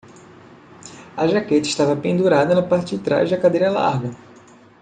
A jaqueta estava pendurada na parte de trás da cadeira larga.